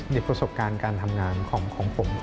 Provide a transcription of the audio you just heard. สิ่งที่ผ่านมาในประสบการณ์การทำงานของผม